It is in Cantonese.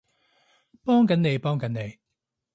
幫緊你幫緊你